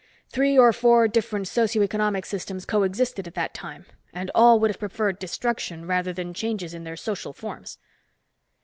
Three or four different socio economic systems co existed at that time and all would have preferred destruction rather than changes in their social forms."